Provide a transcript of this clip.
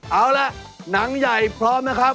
เอาล่ะหนังใหญ่พร้อมนะครับ